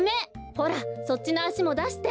ほらそっちのあしもだして。